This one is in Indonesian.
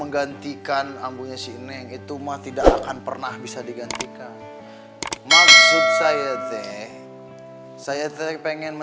hari gitu mah ngerti saya oke